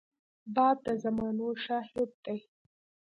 باد د زمانو شاهد دی